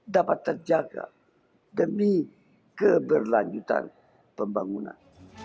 dapat terjaga demi keberlanjutan pembangunan